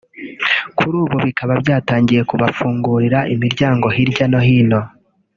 kuri ubu bikaba byatangiye kubafungurira imiryango hirya no hino